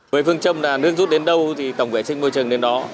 với phương châm là nước rút đến đâu thì tổng vệ sinh môi trường đến đó